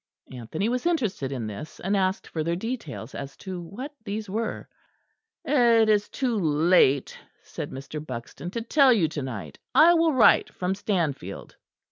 Anthony was interested in this; and asked further details as to what these were. "It is too late," said Mr. Buxton, "to tell you to night. I will write from Stanfield."